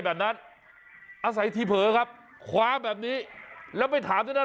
แบบนั้นอาศัยที่เผอครับขวาแบบนี้แล้วไม่ถามนะ